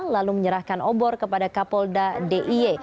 lalu menyerahkan obor kepada kapolda d i e